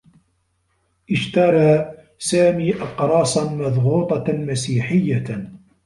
اشترى سامي أقراصا مضغوطة مسيحيّة.